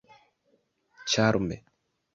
ĉarme